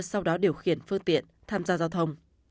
sau đó điều khiển phương tiện tham gia giao thông